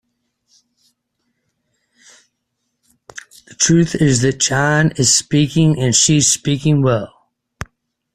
The truth is that Joni is speaking, and she's speaking well.